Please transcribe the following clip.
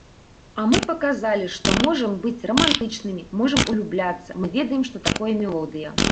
А мы паказалі, што можам быць рамантычнымі, можам улюбляцца, мы ведаем, што такое мелодыя.